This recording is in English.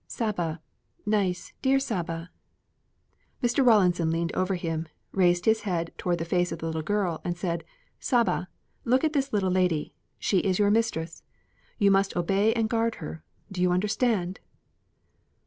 "Saba, nice, dear Saba." Mr. Rawlinson leaned over him, raised his head towards the face of the little girl, and said: "Saba, look at this little lady. She is your mistress. You must obey and guard her. Do you understand?"